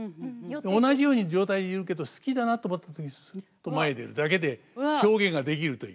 同じような状態でいるけど好きだなと思った時にすっと前へ出るだけで表現ができるという。